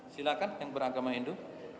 silakan yang beragama hindu